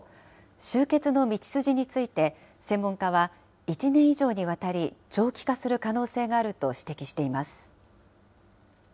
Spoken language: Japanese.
終結の道筋について、専門家は、１年以上にわたり長期化する可能性があると指摘しています。